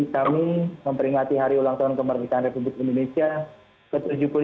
kami memperingati hari ulang tahun kemerdekaan republik indonesia ke tujuh puluh lima